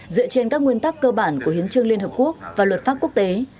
dựa trên các nguyên tắc cơ bản của hiến trương liên hợp quốc và luật pháp quốc tế